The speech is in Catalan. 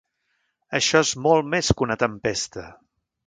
Això és molt més que una tempesta.